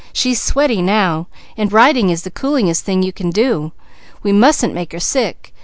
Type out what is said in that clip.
She's sweaty now, and riding is the coolingest thing you can do. We mustn't make her sick.